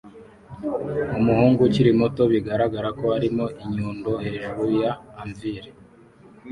Umuhungu ukiri muto bigaragara ko arimo inyundo hejuru ya anvil